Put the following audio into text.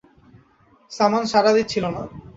সামান সাড়া দিচ্ছিল না।